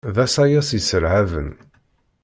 D asayes yesserhaben.